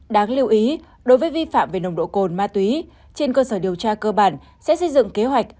đáng lưu ý đối với vi phạm về nồng độ cồn ma túy trên cơ sở điều tra cơ bản sẽ xây dựng kế hoạch